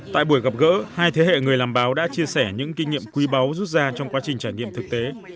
tại buổi gặp gỡ hai thế hệ người làm báo đã chia sẻ những kinh nghiệm quý báu rút ra trong quá trình trải nghiệm thực tế